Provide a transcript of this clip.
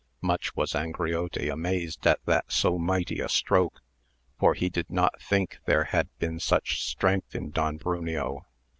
Much was Angriote amazed at that so mighty a stroke, for he did not think there had been such strength in Don Bruneo.